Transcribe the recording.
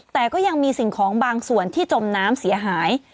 แต่ก็ยังมีสิ่งของบางส่วนที่จมน้ำเสียหาย